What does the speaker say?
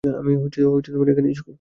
আমি এখানেই সুখী।